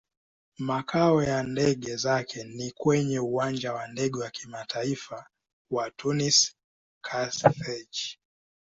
Makao ya ndege zake ni kwenye Uwanja wa Ndege wa Kimataifa wa Tunis-Carthage.